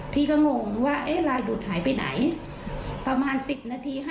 พี่ก็งงว่าไลน์ดูดหายไปไหนต่าง๑๐นาที